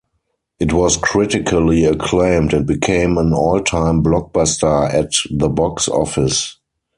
It was critically acclaimed and became an all-time blockbuster at the box office.